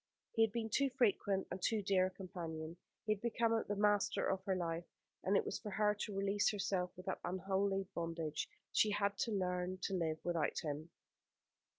He had been too frequent and too dear a companion. He had become the master of her life, and it was for her to release herself from that unholy bondage. She had to learn to live without him.